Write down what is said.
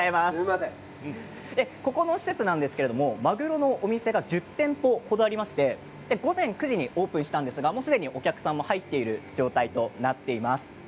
こちらにはまぐろの店が１０店程ありまして午前９時にオープンしたんですがすでに、お客さんが入っている状態となっています。